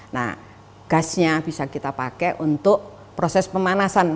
nah gasnya bisa kita pakai untuk proses pemanasan